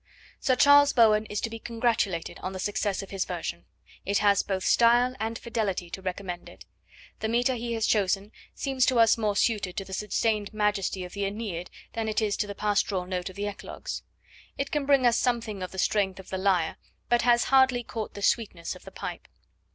Sir Charles Bowen is to be congratulated on the success of his version. It has both style and fidelity to recommend it. The metre he has chosen seems to us more suited to the sustained majesty of the AEneid than it is to the pastoral note of the Eclogues. It can bring us something of the strength of the lyre but has hardly caught the sweetness of the pipe.